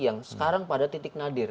yang sekarang pada titik nadir